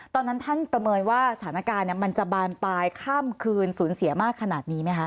ตอนนั้นท่านประเมินว่าสถานการณ์มันจะบานปลายข้ามคืนสูญเสียมากขนาดนี้ไหมคะ